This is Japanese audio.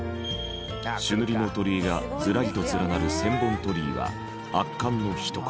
朱塗りの鳥居がずらりと連なる千本鳥居は圧巻のひと言。